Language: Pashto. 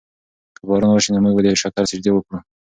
که باران وشي نو موږ به د شکر سجدې وکړو.